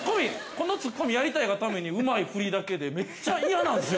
このツッコミやりたいがためにうまいフリだけでめっちゃ嫌なんすよ。